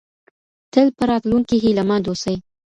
تل په راتلونکي هیله مند اوسئ.